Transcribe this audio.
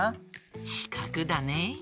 しかくだね。